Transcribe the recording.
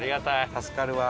助かるわ。